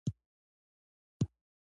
نړېوال بازار ته بخت نه موندلی.